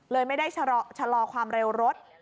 เลยไม่ได้ชะลอความเร็วรถ